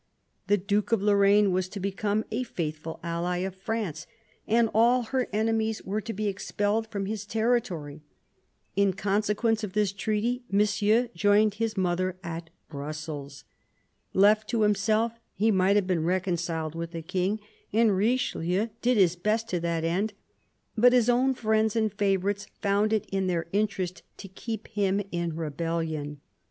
The Duke of Lorraine was to become a faithful ally of France, and all her enemies were to be expelled from his territory. In consequence of this treaty. Monsieur joined his mother at Brussels. Left to himself, he might have been reconciled with the King, and Richelieu did his best to that end ; but his own friends and favourites found it to their interest to keep him in rebellion.